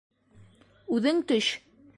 Үҙең төш!